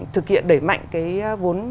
thực hiện đẩy mạnh cái vốn